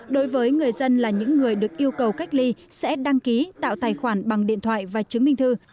đối với người dân là những người được yêu cầu cách ly sẽ đăng ký tạo tài khoản bằng điện thoại và chứng minh thư